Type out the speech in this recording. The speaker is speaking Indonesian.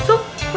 aduh ustadz buta